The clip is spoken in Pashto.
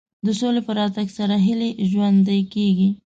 د سولې په راتګ سره هیله ژوندۍ کېږي.